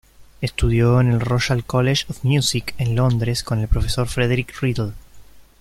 Estudió en el Royal College of Music en Londres con el profesor Frederick Riddle.